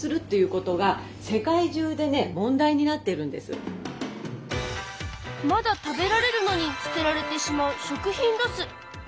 実はまだ食べられるのに捨てられてしまう食品ロス。